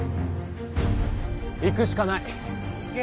いくしかないいけ